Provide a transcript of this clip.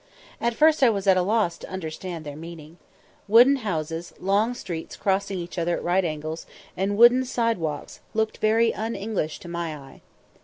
At first I was at a loss to understand their meaning. Wooden houses, long streets crossing each other at right angles, and wooden side walks, looked very un English to my eye.